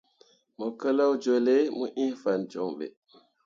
Mo keleo jolle mu ĩĩ fan joŋ ɓe.